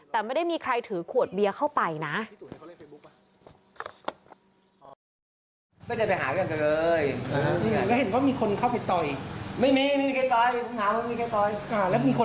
แต่ไม่ได้มีใครถือขวดเบียร์เข้าไปนะ